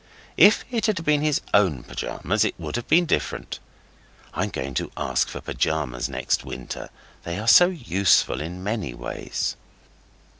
If it had been his own pyjamas it would have been different. (I'm going to ask for pyjamas next winter, they are so useful in many ways.)